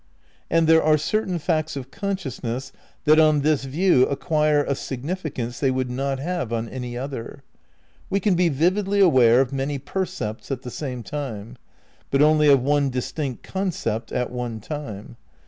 And there are certain facts of consciousness that on this view acquire h significance they would not have on any other. We can be vividly aware of many percepts at the same time; but only of one distinct concept at one time.